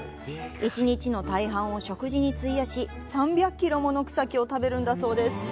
１日の大半を食事に費やし３００キロもの草木を食べるんだそうです。